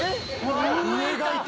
上がいた！